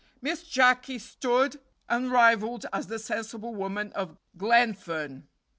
Miss Jacky stood unrivalled as the sensible woman of Glenfern.